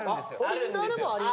オリジナルもありますよ。